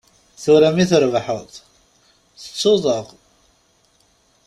Tura mi trebḥeḍ, tettuḍ-aɣ.